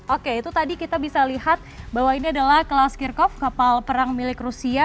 oke itu tadi kita bisa lihat bahwa ini adalah kelas kirkov kapal perang milik rusia